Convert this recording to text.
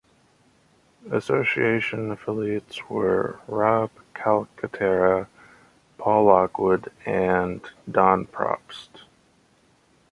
Association Affiliates were Rob Calcaterra, Paul Lockwood, and Don Probst.